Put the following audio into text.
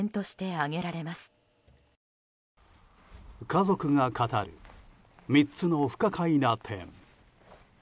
家族が語る３つの不可解な点。